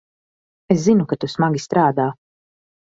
Es zinu, ka tu smagi strādā.